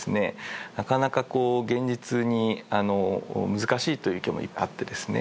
なかなかこう現実に難しいという意見もあってですね。